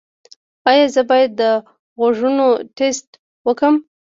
ایا زه باید د غوږونو ټسټ وکړم؟